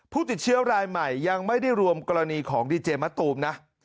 ผู้ติดเชื้อรายใหม่ยังไม่ได้รวมกรณีของดีเจมะตูมนะ